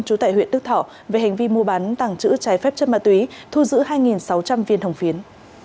trú tại huyện đức thọ về hành vi mua bán tàng trữ trái phép chất ma túy thu giữ hai sáu trăm linh viên hồng phiến